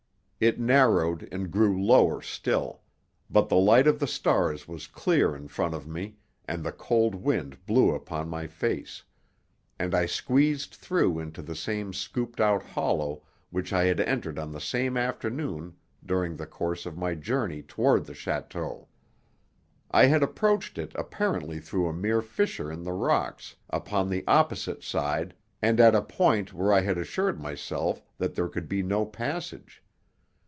It narrowed and grew lower still; but the light of the stars was clear in front of me and the cold wind blew upon my face; and I squeezed through into the same scooped out hollow which I had entered on the same afternoon during the course of my journey toward the château. I had approached it apparently through a mere fissure in the rocks upon the opposite side and at a point where I had assured myself that there could be no passage.